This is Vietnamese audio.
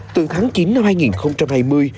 từ tháng chín năm hai nghìn hai mươi